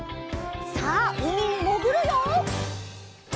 さあうみにもぐるよ！